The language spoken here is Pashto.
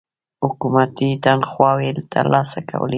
حکومتي تنخواوې تر لاسه کولې.